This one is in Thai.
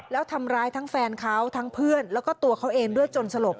แล้วทำร้ายทั้งแฟนเขาทั้งเพื่อนแล้วก็ตัวเขาเองด้วยจนสลบ